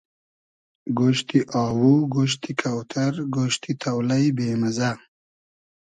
گۉشتی آوو, گۉشتی کۆتئر, گۉشتی تۆلݷ بې مئزۂ